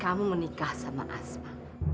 kamu menikah sama asma